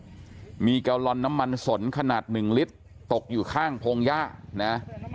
รถสองข้างด้วยมีเกาลอนน้ำมันสนขนาด๑ลิตรตกอยู่ข้างโพงย่า